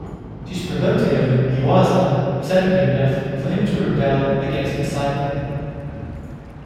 She is promoted over Giwaza, upsetting him enough for him to rebel against Poseidal.